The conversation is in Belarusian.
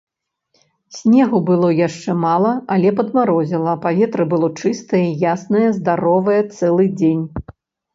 Снегу было яшчэ мала, але падмарозіла, паветра было чыстае, яснае, здаровае цэлы дзень.